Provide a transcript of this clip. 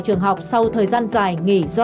trường học sau thời gian dài nghỉ do